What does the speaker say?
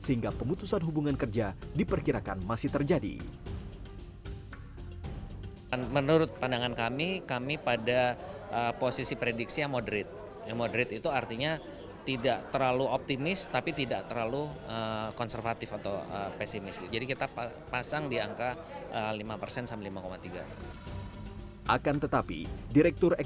itu yang kita hadapi di dua ribu dua puluh dua